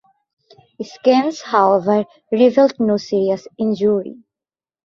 Scans however revealed no serious injury.